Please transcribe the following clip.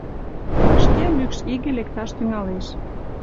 Вашке мӱкш иге лекташ тӱҥалеш.